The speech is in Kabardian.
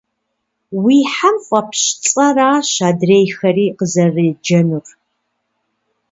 Уи хьэм фӏэпщ цӏэращ адрейхэри къызэреджэнур.